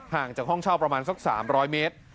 จากห้องเช่าประมาณสัก๓๐๐เมตร